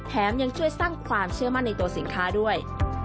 ยังช่วยสร้างความเชื่อมั่นในตัวสินค้าด้วย